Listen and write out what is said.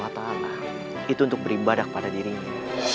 maka oleh allah swt itu untuk beribadah kepada dirimu